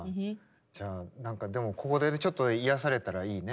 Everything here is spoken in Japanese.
じゃあでもここでちょっと癒やされたらいいね。